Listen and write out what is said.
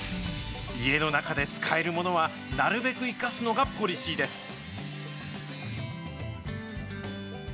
家の中で使えるものは、なるべく生かすのがポリシーです。